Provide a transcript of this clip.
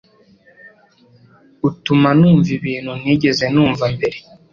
utuma numva ibintu ntigeze numva mbere